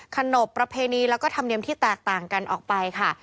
ขนบประเพณีแล้วก็ธรรมเนียมที่แตกต่างกันออกไปค่ะ